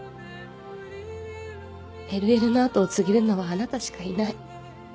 ＬＬ の後を継げるのはあなたしかいない